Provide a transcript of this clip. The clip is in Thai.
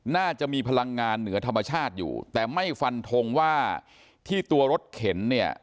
น่าจะมีพลังงานเหนือธรรมชาติอยู่แต่ไม่ฟันทงว่าที่ตัวรถเข็นเนี่ย